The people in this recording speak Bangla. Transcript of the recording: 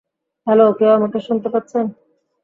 হ্যাঁলো, কেউ আমাকে শুনতে পাচ্ছেন?